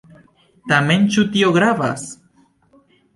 Tamen, ĉu tio gravas?